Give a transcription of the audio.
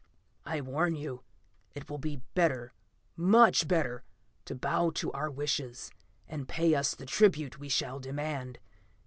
"I warn you, it will be better, much better, to bow to our wishes, and pay us the tribute we shall demand.